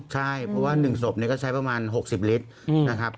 ใช่เพราะว่า๑ศพก็ใช้ประมาณ๖๐ลิตรนะครับ